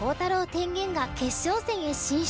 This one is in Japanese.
天元が決勝戦へ進出。